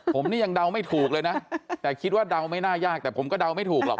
ผมนี่ยังเดาไม่ถูกเลยนะแต่คิดว่าเดาไม่น่ายากแต่ผมก็เดาไม่ถูกหรอก